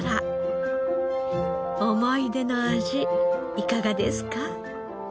思い出の味いかがですか？